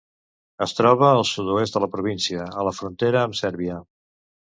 Es troba al sud-oest de la província, a la frontera amb Sèrbia.